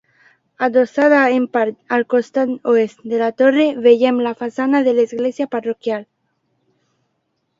Adossada en part al costat Oest de la torre, veiem la façana de l'església parroquial.